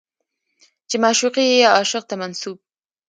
چې معشوقې يا عاشق ته منسوب